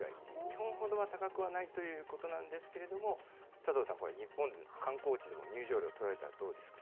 日本ほどは高くはないということなんですけれども、佐藤さん、これ日本で観光地でも入場料取られたらどうですか？